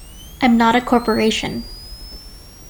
I'm not a corporation.